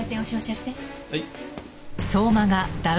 はい。